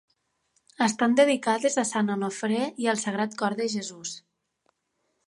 Estan dedicades a Sant Onofre i al Sagrat Cor de Jesús.